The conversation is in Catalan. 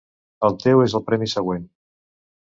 El teu és el premi següent.